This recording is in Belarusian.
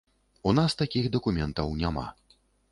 У нас такіх дакументаў няма.